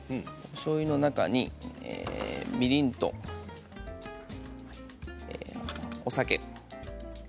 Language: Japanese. しょうゆの中にみりんとお酒。